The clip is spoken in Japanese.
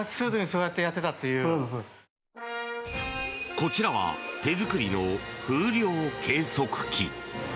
こちらは手作りの風量計測器。